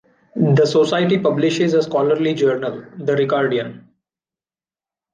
The society publishes a scholarly journal, The Ricardian.